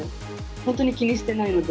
本当に気にしてないので。